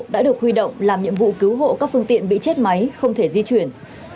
đã được huy động làm nhiệm vụ cứu hộ các phương tiện bị chết máy không thể di chuyển